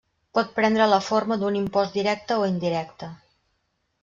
Pot prendre la forma d'un impost directe o indirecte.